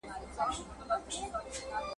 خدای په خپل قلم یم په ازل کي نازولی `